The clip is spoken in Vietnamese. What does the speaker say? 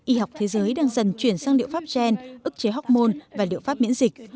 y học thế giới đang dần chuyển sang liệu pháp gen ức chế hormone và liệu pháp miễn dịch